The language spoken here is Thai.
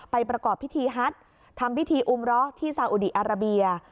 ประกอบพิธีฮัททำพิธีอุมเลาะที่ซาอุดีอาราเบีย